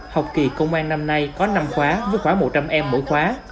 học kỳ công an năm nay có năm khóa với khoảng một trăm linh em mỗi khóa